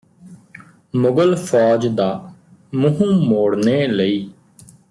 ਮੁਗ਼ਲ ਫ਼ੌਜ ਦਾ ਮੂੰਹ ਮੋੜਨੇ ਲਈ